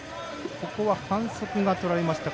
ここは反則がとられましたか。